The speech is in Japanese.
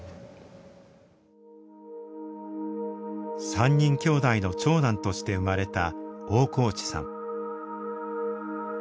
３人きょうだいの長男として生まれた大河内さん。